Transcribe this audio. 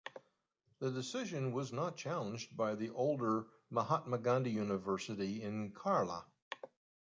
The decision was not challenged by the older Mahatma Gandhi University in Kerala.